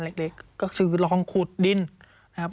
สวัสดีค่ะที่จอมฝันครับ